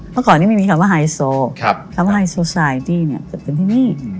เมื่อก่อนนี้ไม่มีคำว่าไฮโซคำว่าไฮโซไซตี้เนี่ยจะเป็นที่นี่